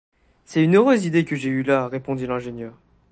C’est une heureuse idée que j’ai eue là répondit l’ingénieur